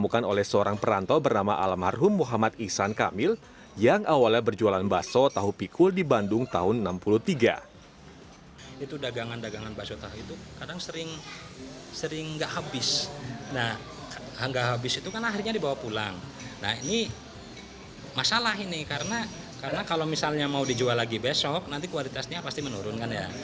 karena kalau misalnya mau dijual lagi besok nanti kualitasnya pasti menurun kan ya